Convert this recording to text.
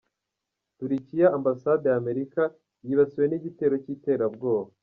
Turukiya Ambasade ya Amerika yibasiwe n’igitero cy’iterabwoba